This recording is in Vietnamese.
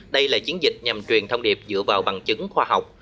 đây là chiến dịch nhằm truyền thông điệp dựa vào bằng chứng khoa học